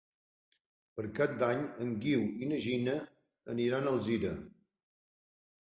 Per Cap d'Any en Guiu i na Gina iran a Alzira.